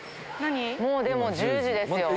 もうでも１０時ですよ